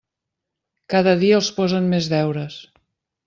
Cada dia els posen més deures.